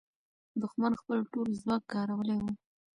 دښمن خپل ټول ځواک کارولی وو.